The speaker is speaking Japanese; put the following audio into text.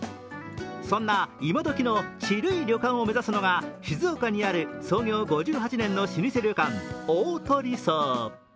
そんな、今どきのチルい旅館を目指すのが静岡にある創業５８年の老舗旅館、おおとり荘。